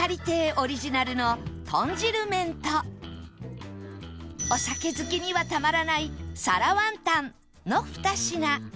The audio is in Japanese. オリジナルの豚汁麺とお酒好きにはたまらない皿ワンタンの２品